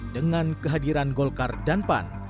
dengan kehadiran golkar dan pan